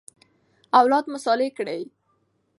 اولاد مو صالح کړئ.